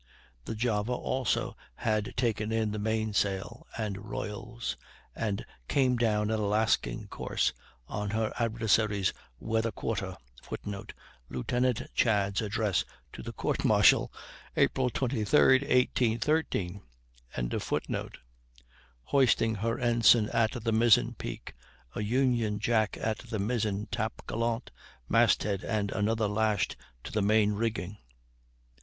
The Java also had taken in the main sail and royals, and came down in a lasking course on her adversary's weather quarter, [Footnote: Lieutenant Chads' Address to the Court martial, April 23, 1813.] hoisting her ensign at the mizzen peak, a union Jack at the mizzen top gallant mast head, and another lashed to the main rigging.